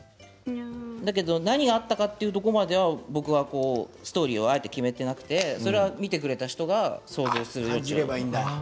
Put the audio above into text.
だけど何があったかというところまでは、僕はストーリーをあえて決めていなくてそれは見てくれた人が想像すると。